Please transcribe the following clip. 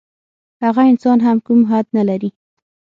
هغه انسان هم کوم حد نه لري.